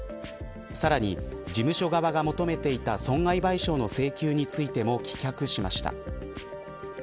さらに事務所側が求めていた損害賠償の請求についても棄却しました。